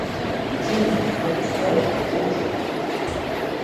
He trained at Camp Toccoa, Georgia.